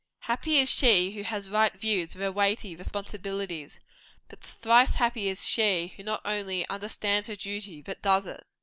Happy is she who has right views of her weighty responsibilities; but thrice happy is she who not only understands her duty, but does it!